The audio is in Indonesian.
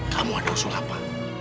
kamu ada usul apa